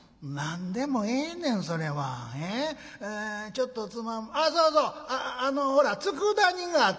ちょっとつまむそうそうあのほらつくだ煮があったやろ。